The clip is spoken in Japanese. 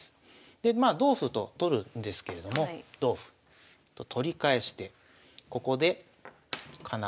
でまあ同歩と取るんですけれども同歩と取り返してここでかなり強力な歩が垂れてきます。